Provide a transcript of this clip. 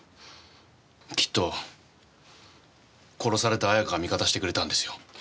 きっと殺された綾香が味方してくれたんですよ。